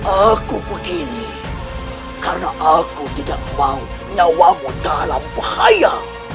aku begini karena aku tidak mau nyawamu dalam bahaya